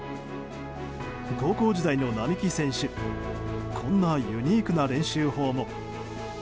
高校時代の並木選手こんなユニークな練習法も。